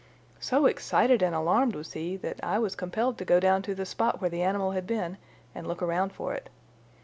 So excited and alarmed was he that I was compelled to go down to the spot where the animal had been and look around for it.